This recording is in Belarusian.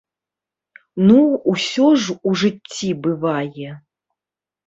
Ну, усё ж у жыцці бывае!